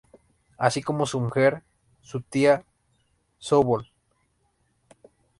Así como su mujer, su tía Zo Ball.